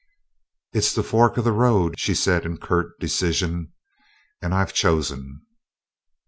"It's the fork of the road," she said in curt decision, "and I've chosen."